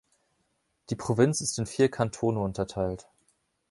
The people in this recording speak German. Die Provinz ist in vier Kantone unterteilt.